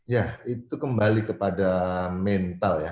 ya itu kembali kepada mental ya